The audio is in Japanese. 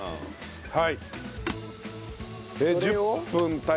はい。